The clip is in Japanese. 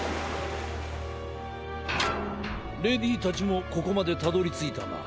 レディーたちもここまでたどりついたな。